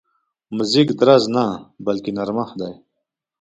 موزیک درز نه، بلکې نرمښت دی.